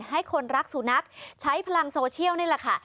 ให้คนรักสุนัขใช้พลังโซเชียลนี่แหละค่ะ